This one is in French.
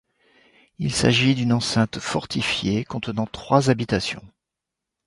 Il s'agit d'une enceinte fortifiée contenant trois habitations.